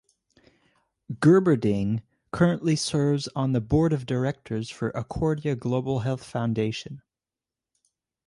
Gerberding currently serves on the Board of Directors for Accordia Global Health Foundation.